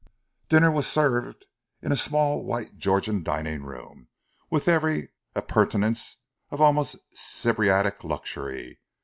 Dinner was served in a small white Georgian dining room, with every appurtenance of almost Sybaritic luxury.